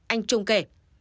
anh trung kể